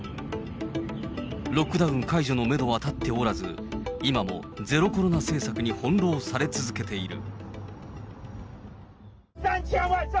ロックダウン解除のメドはたっておらず、今もゼロコロナ政策に翻弄され続けている。